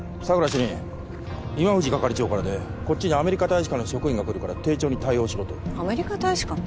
主任今藤係長からでこっちにアメリカ大使館の職員が来るから丁重に対応しろとアメリカ大使館？